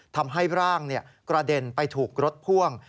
ทำให้ร่างกระเด็นไปถูกรถพ่วง